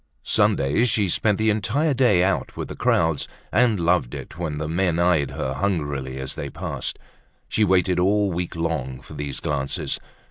Sundays she spent the entire day out with the crowds and loved it when the men eyed her hungrily as they passed. She waited all week long for these glances.